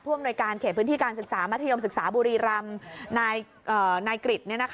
อำนวยการเขตพื้นที่การศึกษามัธยมศึกษาบุรีรำนายกริจ